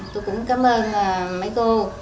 tôi cũng cảm ơn mấy cô